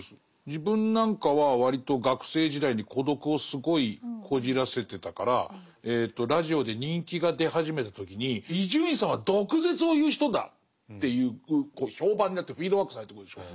自分なんかは割と学生時代に孤独をすごいこじらせてたからラジオで人気が出始めた時に「伊集院さんは毒舌を言う人だ」っていう評判になってフィードバックされてくるでしょ。